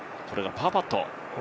これがパーパット。